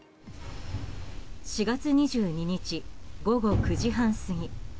４月２２日午後９時半過ぎ。